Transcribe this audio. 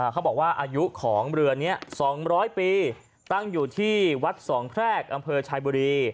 เขาบอกว่าอายุของเรือนี้๒๐๐ปีตั้งอยู่ที่วัดสองแพรกอำเภอชายบุรี